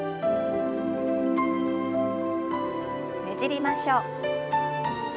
ねじりましょう。